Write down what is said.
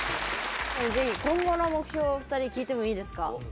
是非今後の目標を２人聞いてもいいですか？